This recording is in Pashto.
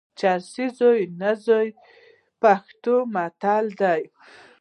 چرسي زوی نه زوی، پښتو متل دئ.